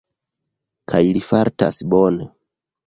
Kaj li fartas bone.